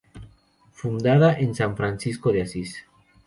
Fundada por san Francisco de Asís.